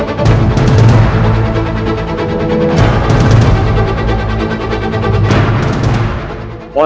untuk menjadi putra mahkota